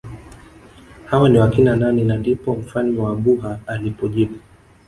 Hawa ni wakina nani na ndipo mfalme wa Buha alipojibu